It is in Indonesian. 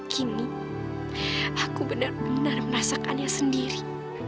kini aku benar benar merasakannya sendiri